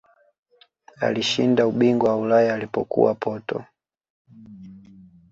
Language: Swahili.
alishinda ubingwa wa ulaya alipokuwa porto